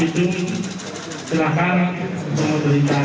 dan pak fidung silakan mengundurkan